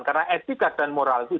karena etika dan moral itu